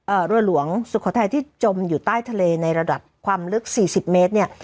เรือหลวงสุโขทัยที่จมอยู่ใต้ทะเลในระดับความลึกสี่สิบเมตรเนี่ย